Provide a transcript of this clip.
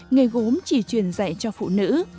ngày gốm chỉ truyền dạy cho phụ nữ